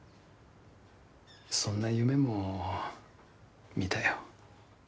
そんな夢も見たよ。